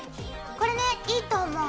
これねいいと思う。